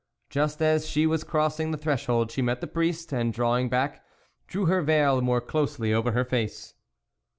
Just as she was crossing the threshold, she met the priest, and drawing back, drew her veil more closely over her face.